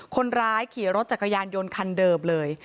คนร้ายขี่รถจักรยานยนต์คันเดิมเลย